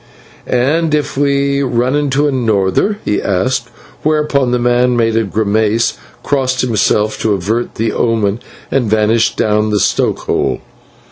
"And if we 'run into a norther'?" he asked whereupon the man made a grimace, crossed himself to avert the omen, and vanished down the stoke hole.